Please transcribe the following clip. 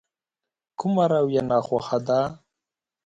کومه رويه ناخوښه ده.